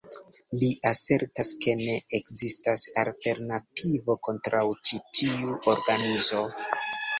Li asertas, ke ne ekzistas alternativo kontraŭ ĉi tiu organizo.